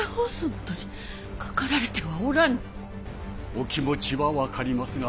お気持ちは分かりますが。